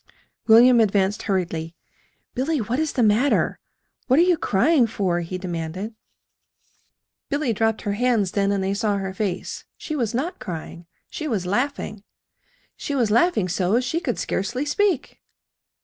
William advanced hurriedly. "Billy, what is the matter? What are you crying for?" he demanded. Billy dropped her hands then, and they saw her face. She was not crying. She was laughing. She was laughing so she could scarcely speak.